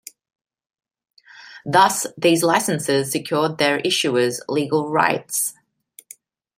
Thus, these licenses secured their issuers' legal rights.